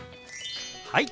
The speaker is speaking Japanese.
はい！